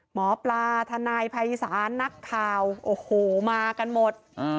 หมอปลาทนายภัยศาลนักข่าวโอ้โหมากันหมด